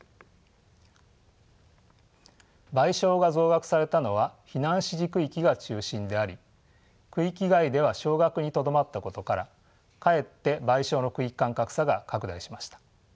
賠償が増額されたのは避難指示区域が中心であり区域外では少額にとどまったことからかえって賠償の区域間格差が拡大しました。